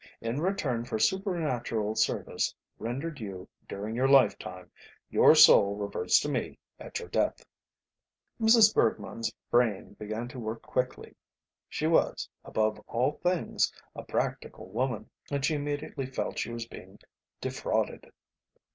"In return for supernatural service rendered you during your lifetime, your soul reverts to me at your death." Mrs. Bergmann's brain began to work quickly. She was above all things a practical woman, and she immediately felt she was being defrauded.